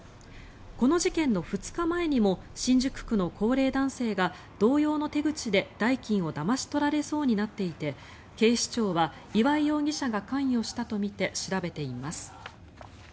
この事件の２日前にも新宿区の高齢男性が同様の手口で代金をだまし取られそうになっていて警視庁は岩井容疑者が関与したとみて調べています。